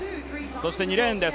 そして２レーンです